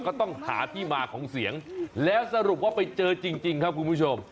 ก็ต้องหาที่มาของเสียงแล้วสรุปว่าไปเจอจริงครับคุณผู้ชม